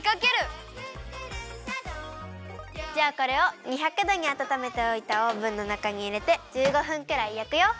「クックルンシャドー」じゃあこれを２００どにあたためておいたオーブンのなかにいれて１５分くらいやくよ！